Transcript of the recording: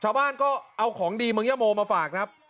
ชาวบ้านก็เอาของดีเมืองยะโมมาฝากครับ